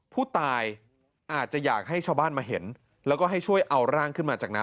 ผู้ตายอาจจะอยากให้ชาวบ้านมาเห็นแล้วก็ให้ช่วยเอาร่างขึ้นมาจากน้ำ